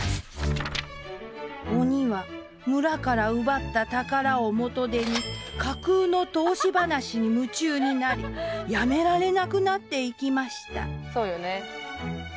鬼は村から奪った宝を元手に架空の投資話に夢中になりやめられなくなっていきました。